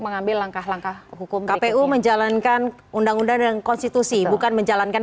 mengambil langkah langkah hukum kpu menjalankan undang undang dan konstitusi bukan menjalankan